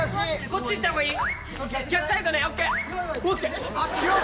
こっち行ったほうがいい？